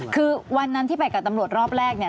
คือวันนั้นที่ไปกับตำรวจรอบแรกเนี่ย